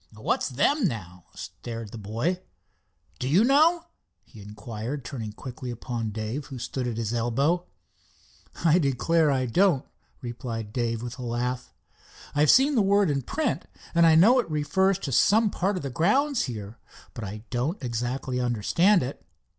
"What's them, now?" stared the boy. "Do you know?" he inquired turning quickly upon Dave, who stood at his elbow. "I declare I don't," replied Dave with a laugh. "I've seen the word in print, and I know it refers to some part of the grounds here, but I don't exactly understand it."